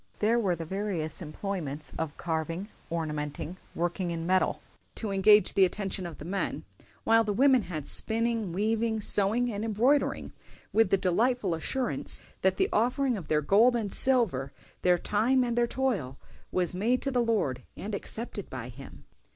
There were the various employments of carving, ornamenting, working in metal, to engage the attention of the men; while the women had spinning, weaving, sewing, and embroidering, with the delightful assurance that the offering of their gold and silver, their time and their toil, was made to the Lord and accepted by Him."